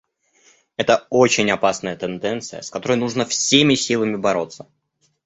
Это очень опасная тенденция, с которой нужно всеми силами бороться.